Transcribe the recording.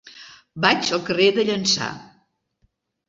Vaig al carrer de Llança.